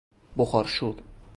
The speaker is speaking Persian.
بخارشور